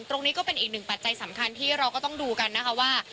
ก็เป็นอีกหนึ่งปัจจัยสำคัญที่เราก็ต้องดูกันนะคะว่า